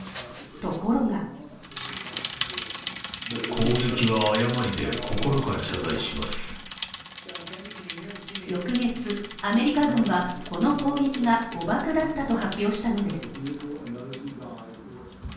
ところが翌月、アメリカ軍はこの攻撃が誤爆だったと発表したのです